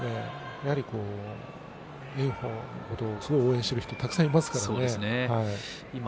やはり炎鵬を応援している人はたくさんいますからね。